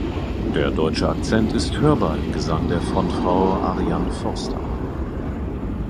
Der deutsche Akzent ist hörbar im Gesang der Frontfrau Ariane Forster.